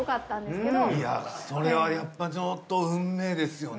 それはやっぱちょっと運命ですよね。